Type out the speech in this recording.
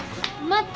待って。